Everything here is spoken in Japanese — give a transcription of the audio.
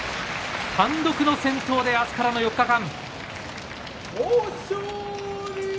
単独の先頭で明日からの４日間。